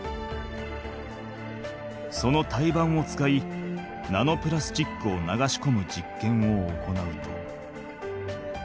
その胎盤を使いナノプラスチックを流しこむじっけんを行うと。